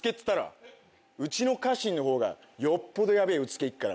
うちの家臣のほうがよっぽどヤベェうつけいっから。